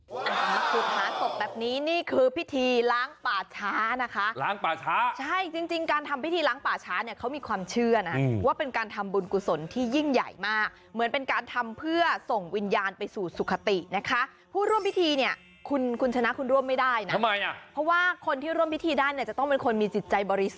มาขุดหาศพแบบนี้นี่คือพิธีล้างป่าช้านะคะล้างป่าช้าใช่จริงจริงการทำพิธีล้างป่าช้าเนี่ยเขามีความเชื่อนะว่าเป็นการทำบุญกุศลที่ยิ่งใหญ่มากเหมือนเป็นการทำเพื่อส่งวิญญาณไปสู่สุขตินะคะผู้ร่วมพิธีเนี่ยคุณคุณชนะคุณร่วมไม่ได้นะทำไมอ่ะเพราะว่าคนที่ร่วมพิธีได้เนี่ยจะต้องเป็นคนมีจิตใจบริสุท